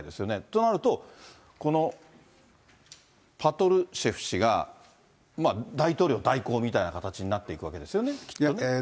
となると、このパトルシェフ氏が大統領代行みたいな形になっていくわけですよね。